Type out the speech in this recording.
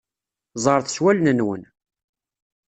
Ẓret s wallen-nwen.